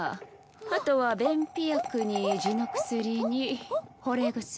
あとは便秘薬にじの薬にほれ薬。